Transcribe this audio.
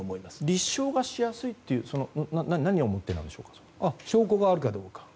立証がしやすいというのは何をもってでしょうか？証拠があるかどうか。